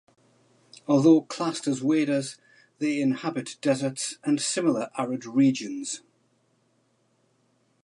Although classed as waders, they inhabit deserts and similar arid regions.